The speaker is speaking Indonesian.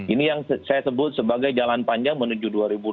ini yang saya sebut sebagai jalan panjang menuju dua ribu dua puluh